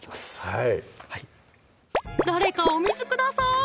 はい誰かお水ください！